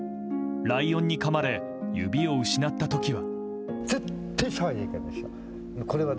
ライオンにかまれ指を失った時は。